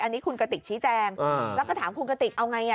อันนี้คุณกติกชี้แจงแล้วก็ถามคุณกติกเอาไง